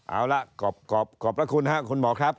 เอาละขอบพระคุณครับคุณหมอครับ